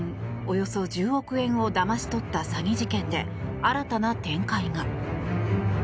およそ１０億円をだまし取った詐欺事件で新たな展開が。